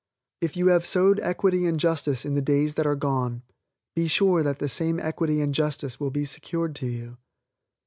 If you have sowed equity and justice in the days that are gone, be sure that the same equity and justice will be secured to you.